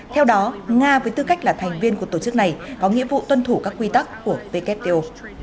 theo đó nga với tư cách là thành viên của tổ chức này có nghĩa vụ tuân thủ các quy tắc của wto